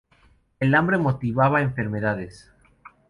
El hambre motivaba enfermedades.